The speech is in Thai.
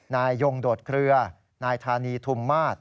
นายยงโดดเครือนายธานีทุมมาศ